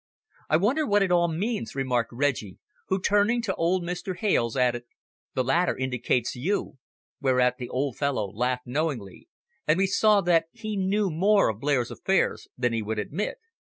"I wonder what it all means!" remarked Reggie, who, turning to old Mr. Hales, added, "The latter indicates you," whereat the old fellow laughed knowingly, and we saw that he knew more of Blair's affairs than he would admit.